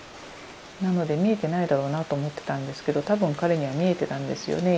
なので見えてないだろうなと思ってたんですけど多分彼には見えてたんですよね。